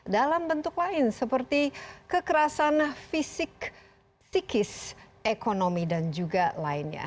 dalam bentuk lain seperti kekerasan fisik psikis ekonomi dan juga lainnya